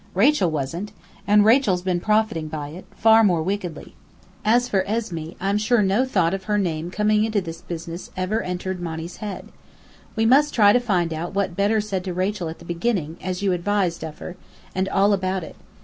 Rachel wasn't! And Rachel's been profiting by it far more wickedly. As for Esmé, I'm sure no thought of her name coming into this business, ever entered Monny's head. We must try to find out what Bedr said to Rachel at the beginning, as you advise, Duffer and all about it.